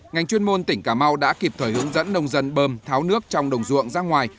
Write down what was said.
ngành chuyên môn tỉnh cà mau đã kịp thời hướng dẫn nông dân bơm tháo nước trong đồng ruộng ra ngoài